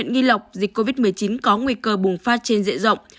nghi lọc dịch covid một mươi chín có nguy cơ bùng phát trên dịa rộng